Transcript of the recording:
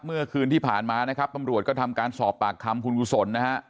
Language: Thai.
เมื่อคืนที่ผ่านมานะครับตำรวจก็ทำการสอบปากคำคุณกุศลนะฮะ